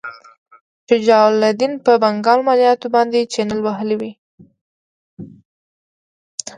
شجاع الدوله په بنګال مالیاتو باندې چنې وهلې وې.